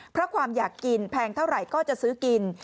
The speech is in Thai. เพราะความอยากกินแพงเท่าไหร่ก็จะซื้อกิน